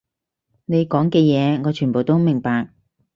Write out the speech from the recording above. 你講嘅嘢，我全部都明白